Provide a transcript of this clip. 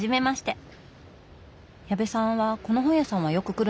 矢部さんはこの本屋さんはよく来るんですか？